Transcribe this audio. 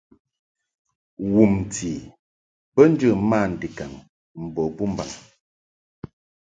Wumti bə njə mandikaŋ mbo bumbaŋ.